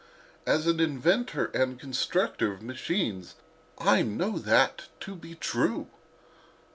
As an inventor and constructor of machines I know that to be true."